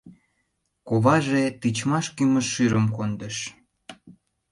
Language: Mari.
Коваже тичмаш кӱмыж шӱрым кондыш.